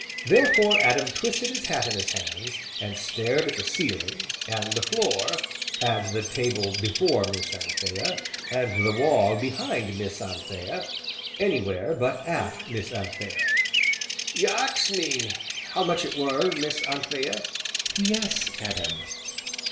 Therefore Adam twisted his hat in his hands, and stared at the ceiling, and the floor, and the table before Miss Anthea, and the wall behind Miss Anthea anywhere but at Miss Anthea. "You ax me how much it were, Miss Anthea?" "Yes, Adam."